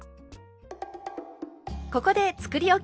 ここでつくりおき